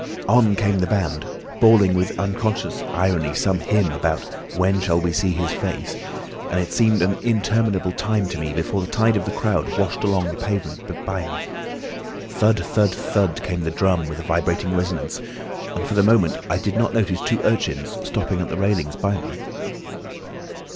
"On came the band, bawling with unconscious irony some hymn about 'When shall we see His face?' and it seemed an interminable time to me before the tide of the crowd washed along the pavement by me. Thud, thud, thud, came the drum with a vibrating resonance, and for the moment I did not notice two urchins stopping at the railings by me.